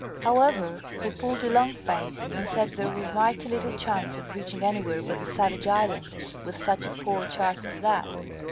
However, he pulled a long face, and said there was mighty little chance of reaching anywhere but a savage island, with such a poor chart as that.